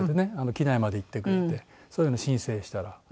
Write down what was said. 機内まで行ってくれてそういうの申請したら。